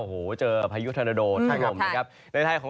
โอโหเห็นเวลาพยุทธนดดอน